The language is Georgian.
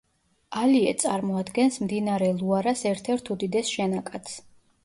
ალიე წარმოადგენს მდინარე ლუარას ერთ-ერთ უდიდეს შენაკადს.